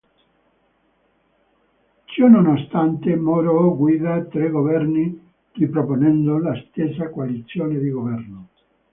Ciononostante Moro guida tre governi riproponendo la stessa coalizione di governo.